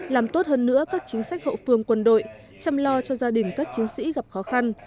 làm tốt hơn nữa các chính sách hậu phương quân đội chăm lo cho gia đình các chiến sĩ gặp khó khăn